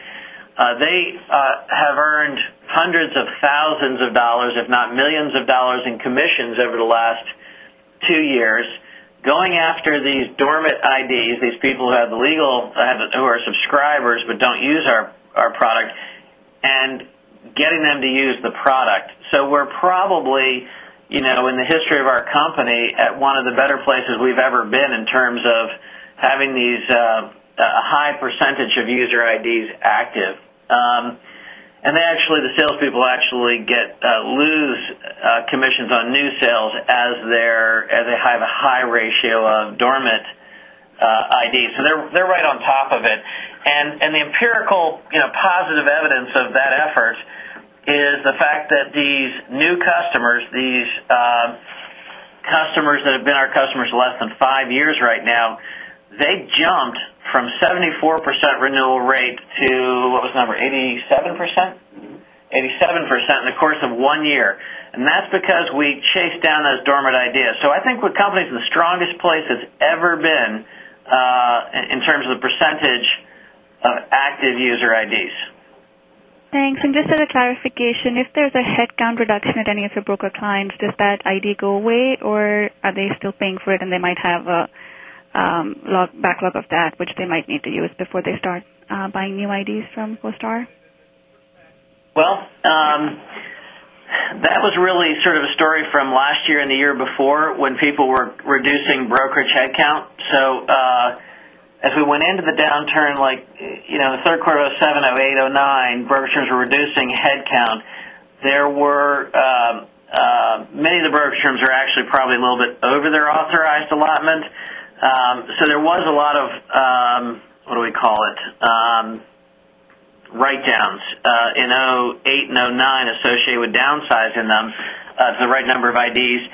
They have earned 100 of 1,000 of dollars, if not 1,000,000 of dollars in commissions over the last 2 years. Going after these dormant IDs, these people who have legal who are subscribers, but don't use our product and getting them to use the product. So we're probably in the history of our company at one of the better places we've ever been in terms of having these high percentage of user IDs active. And they actually the salespeople actually get lose commissions on new sales as they have a high ratio of dormant ID. So they're right on top of it. And the empirical positive evidence of that effort is the fact that these new customers, these customers that have been our customers less than 5 years right now, they jumped from 74% renewal rate to what was the number 87% in the course of 1 year and that's because we chase down those dormant ideas. So I think the company is the strongest place it's ever been in terms of the percentage of active user IDs. Thanks. And just as a clarification, if there's a headcount reduction at any of your broker clients, does that ID go away? Or are they still paying for it and they might have a backlog of that which they might need to use before they start buying new IDs from CoStar? Well, that was really sort of a story from last year and the year before when people were reducing brokerage headcount. So, as we went into the downturn like Q3 of 'seven, 'eight, 'nine, brokerage terms were reducing headcount. There were many of the brokers' rooms are actually probably a little bit over their authorized allotment. So there was a lot of what do we call it write downs in 2008 and 2009 associated with downsizing them to the right number of IDs.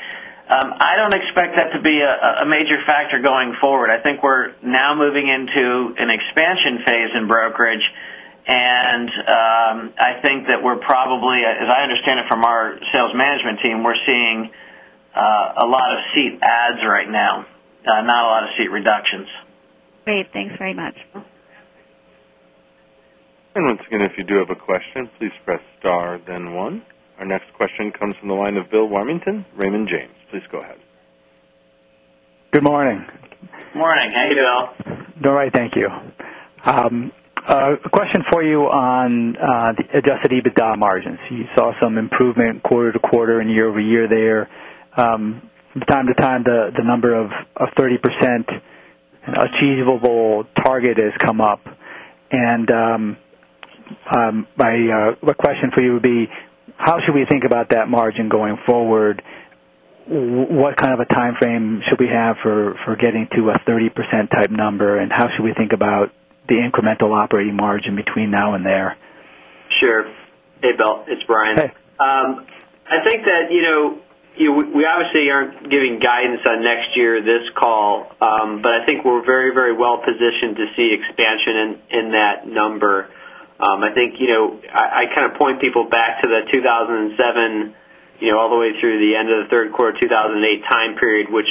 I don't expect that to be a major factor going forward. I think we're now moving into an expansion phase in brokerage and I think that we're probably as I understand it from our sales management team, we're seeing a lot of seat adds right now, not a lot of seat reductions. Great. Thanks very much. Our next question comes from the line of Bill Warmington, Raymond James. Please go ahead. Good morning. Good morning. How are you doing? All right. Thank you. A question for you on the adjusted EBITDA margins. You saw some improvement quarter to quarter and year over year there. From time to time, the number of 30% achievable target has come up. And my question for you would be, how should we think about that margin going forward? What kind of a timeframe should we have for getting to a 30% type number? And how should we think about the incremental operating margin between now and there? Sure. Hey, Bill, it's Brian. I think that we obviously aren't giving guidance on next year this call, but I think we're very, very well positioned to see expansion in that number. I think I kind of point people back to the 2,007 all the way through the end of the Q3 2008 time period, which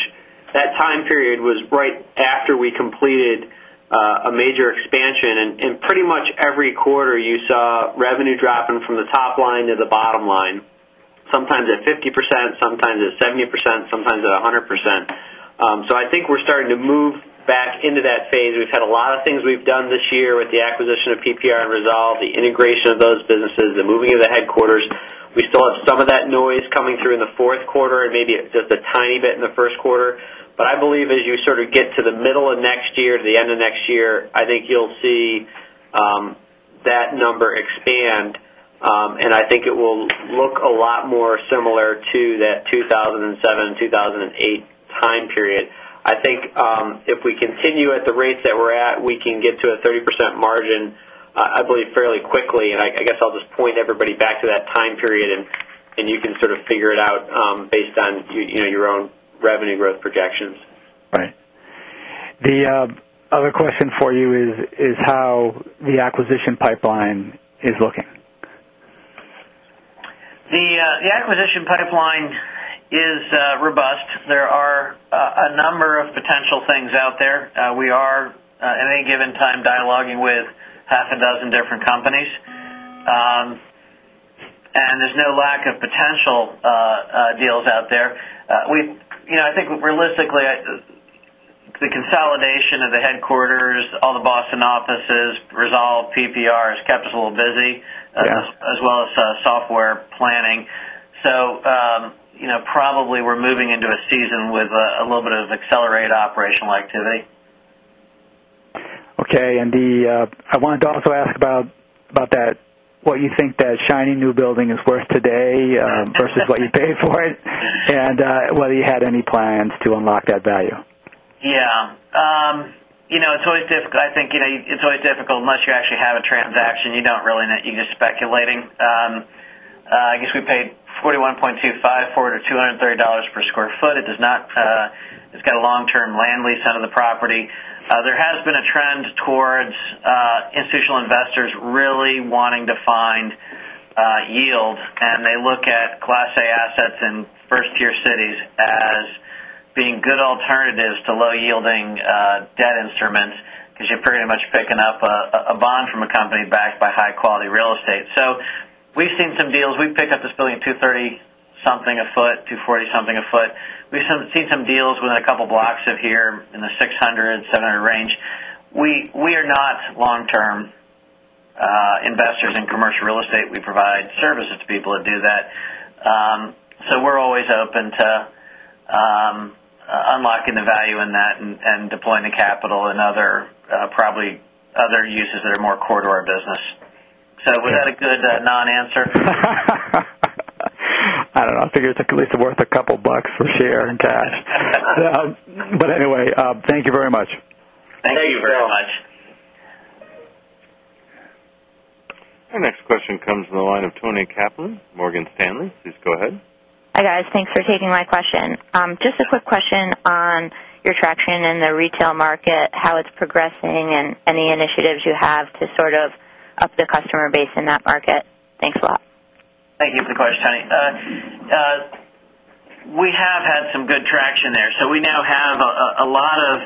that time period was right after we completed a major expansion. And pretty much every quarter, you saw revenue dropping from the top line to the bottom line, sometimes at 50%, sometimes at 70%, sometimes at 100%. So I think we're starting to move back into that phase. We've had a lot of things we've done this year with the acquisition of PPR and Resolve, the integration of those businesses, the moving of the headquarters. We still have some of that noise coming through in the Q4 and maybe just a tiny bit in the Q1. But I believe as you sort of get to the middle of next year to the end of next year, I think you'll see that number expand. And I think it will look a lot more similar to that 2,007, 2008 time period. I think if we continue at the rates that we're at, we can get to a 30% margin, I believe, fairly quickly. And I guess I'll just point everybody back to that time period and you can sort of figure it out based on your own revenue growth projections. Right. The other question for you is how the acquisition pipeline is looking? The acquisition pipeline is robust. There are a number of potential things out there. We are at any given time dialoguing with half a dozen different companies and there's no lack of potential deals out there. I think realistically, the consolidation of the headquarters, all the Boston offices resolved PPR has kept us a little busy as well as software planning. So probably we're moving into a season with a little bit of accelerated operational activity. Okay. And the I wanted to also ask about that what you think that shiny new building is worth today versus what you paid for it and whether you had any plans to unlock that value? Yes. It's always difficult. I think it's always difficult unless you actually have a transaction, you don't really know you're just speculating. I guess we paid $41,250,000 for it or $230 per square foot. It does not it's got a long term land lease out of the property. There has been a trend towards institutional investors really wanting to find yield and they look at Class A assets in 1st tier cities as being good alternatives to low yielding debt instruments because you're pretty much picking up a bond from a company backed by high quality real estate. So we've seen some deals. We've picked up this building at 230 something a foot, 240 something a foot. We've seen some deals within a couple of blocks of here the $600,000 $700,000 range. We are not long term investors in commercial real estate. We provide services to people that do that. So we're always open to unlocking the value in that and deploying the capital and other probably other uses that are more core to our business. So was that a good non answer? I don't know. I figured it's at least worth a couple of bucks for share in cash. But anyway, thank you very much. Thank you very much. Our next question comes from the line of Toni Kaplan, Morgan Stanley. Please go ahead. Hi, guys. Thanks for taking my question. Just a quick question on your traction in the retail market, how it's progressing and any initiatives you have to sort of up the customer base in that market? Thanks a lot. Thank you for the question, Tani. We have had some good traction there. So we now have a lot of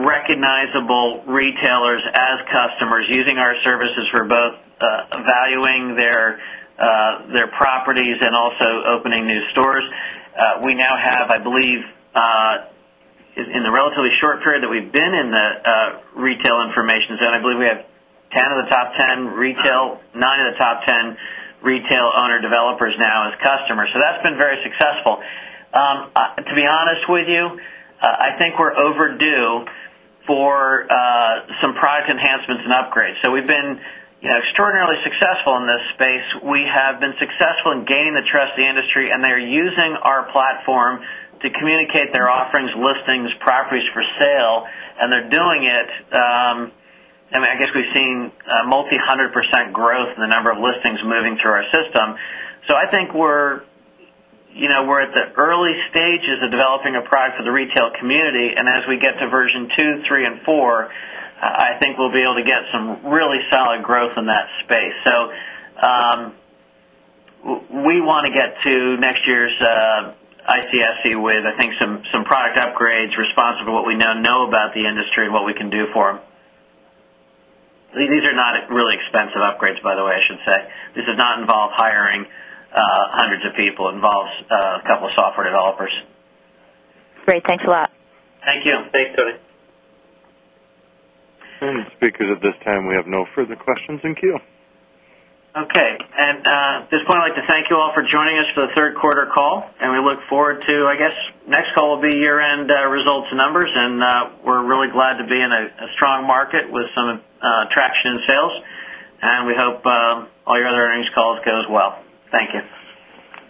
recognizable retailers as customers using our services for both valuing their properties and also opening new stores. We now have, I believe, in the relatively short period that we've been in the retail information. So I believe we have 10 of the top 10 retail, 9 of the top 10 retail owner developers now as customers. So that's been very successful. To be honest with you, I think we're overdue for some price enhancements and upgrades. So we've been extraordinarily successful in this space. We have been successful in gaining the trust of the industry and they are using our platform to communicate their offerings, listings, properties for sale and they're doing it. I mean, I guess we've seen multi 100 percent growth in the number of listings moving through our system. So, I think we're at the early stages of developing a product for the retail community. And as we get to Version 2, 3 and 4, I think we'll be able to get some really solid growth in that space. So we want to get to next year's ICSC with I think some product upgrades responsible for what we now know about the industry and what we can do for them. These are not really expensive upgrades by the way, I should say. This does not involve hiring hundreds of people, it involves a couple of software developers. Great. Thanks a lot. Thank you. Thanks, Tony. Speakers, at this time, we have no further questions in queue. Okay. And at this point, I'd like to thank you all for joining us for the Q3 call. And we look forward to, I guess, next call will be year end results and numbers. And we're really glad to be in a strong market with some traction in sales. And we hope all your other earnings calls go as well. Thank you.